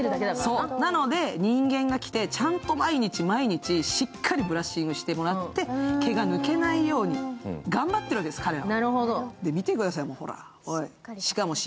なので、人間が来てちゃんと毎日毎日しっかりブラッシングして、毛が抜けないように頑張っているわけです、彼は。